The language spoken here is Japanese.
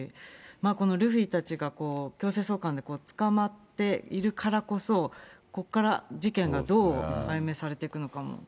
このルフィたちが強制送還で捕まっているからこそ、ここから事件がどう解明されていくのかも。